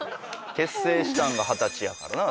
結成したんが二十歳やからな。